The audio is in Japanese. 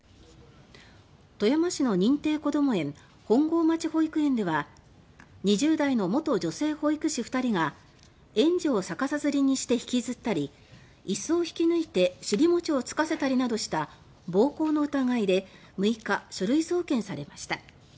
富山市の認定こども園本郷町保育園では２０代の元女性保育士２人が園児を逆さづりにして引きずったり椅子を引き抜いて尻もちをつかせたりなどした暴行の疑いで６日書類送検されました。